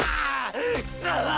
くそ！